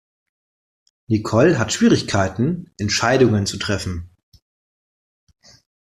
Nicole hat Schwierigkeiten Entscheidungen zu treffen.